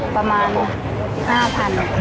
ประมาณ๕๐๐บาท